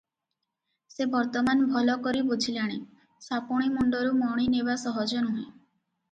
ସେ ବର୍ତ୍ତମାନ ଭଲ କରି ବୁଝିଲାଣି, ସାପୁଣୀ ମୁଣ୍ତରୁ ମଣି ନେବା ସହଜ ନୁହେଁ ।